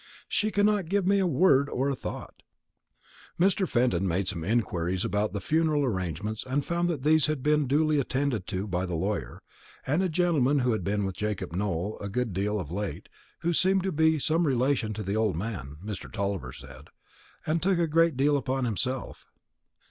She cannot give me a word or a thought." Mr. Fenton made some inquiries about the funeral arrangements and found that these had been duly attended to by the lawyer, and a gentleman who had been with Jacob Nowell a good deal of late, who seemed to be some relation to the old man, Mr. Tulliver said, and took a great deal upon himself.